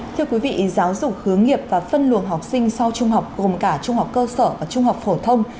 thưa quý vị giáo dục hướng nghiệp và phân luồng học sinh sau trung học gồm cả trung học cơ sở và trung học phổ thông